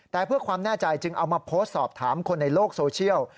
แต่เพื่อความแน่ใจจึงเอามาโพสต์สอบถามคนในโลกโซเชียล